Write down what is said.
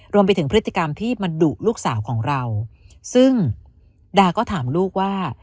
รวมไปถึงพฤติกรรมที่มันดุลูกสาวของเราซึ่งดาก็ถามลูกว่า